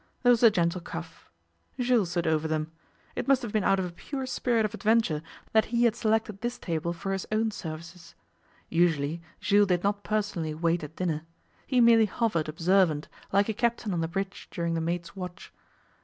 There was a gentle cough. Jules stood over them. It must have been out of a pure spirit of adventure that he had selected this table for his own services. Usually Jules did not personally wait at dinner. He merely hovered observant, like a captain on the bridge during the mate's watch.